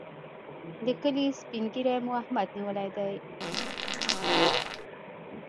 د کلي سپين ږيری مو احمد نیولی دی.